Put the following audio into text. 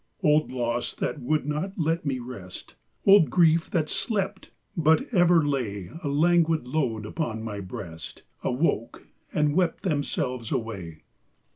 Old loss that would not let me rest, Old grief that slept, but ever lay 26 SYMPATHY . 2 ; A languid load upon my breast, Awoke, and wept themselves away.